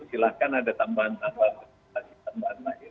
silahkan ada tambahan tambahan